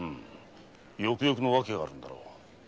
よくよくの訳があるのだろう。